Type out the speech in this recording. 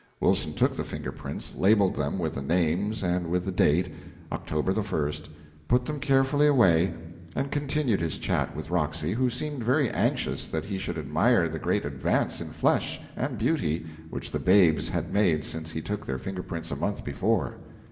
Wilson took the finger prints, labeled them with the names and with the date October the first put them carefully away and continued his chat with Roxy, who seemed very anxious that he should admire the great advance in flesh and beauty which the babies had made since he took their finger prints a month before.